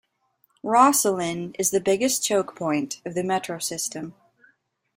Rosslyn is the biggest choke point of the Metro system.